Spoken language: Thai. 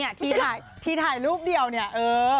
ที่ถ่ายรูปเดียวเนี่ยเออ